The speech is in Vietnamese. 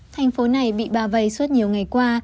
thành phố này bị bao vây suốt nhiều ngày qua